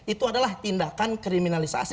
itu adalah tindakan kriminalisasi